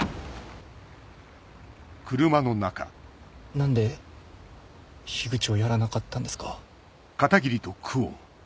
何で口をやらなかったんですか？